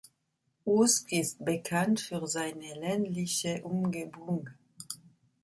Usk ist bekannt für seine ländliche Umgebung.